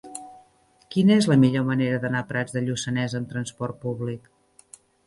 Quina és la millor manera d'anar a Prats de Lluçanès amb trasport públic?